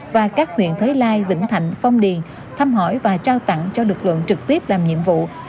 và các huyện thới lai vĩnh thạnh phong điền thăm hỏi và trao tặng cho lực lượng trực tiếp làm nhiệm vụ